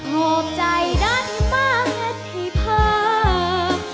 หกใจรักมากแทบที่เพิ่ม